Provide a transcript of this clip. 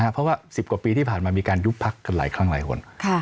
เพราะว่า๑๐กว่าปีที่ผ่านมามีการยุบพักกันหลายครั้งหลายคน